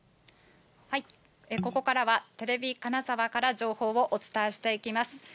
ここからはテレビ金沢から情報をお伝えしていきます。